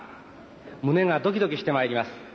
胸がドキドキしてまいります。